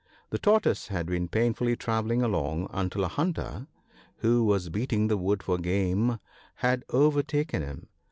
The Tortoise had been painfully travelling along, until a hunter, who was beating the wood for game, had overtaken him.